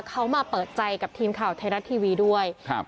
เขามาเปิดใจกับทีมข่าวไทยรัฐทีวีด้วยครับ